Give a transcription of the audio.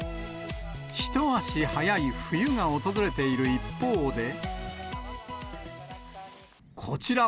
一足早い冬が訪れている一方で。